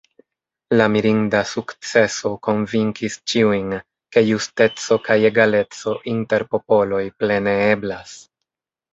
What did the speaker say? La mirinda sukceso konvinkis ĉiujn, ke justeco kaj egaleco inter popoloj plene eblas.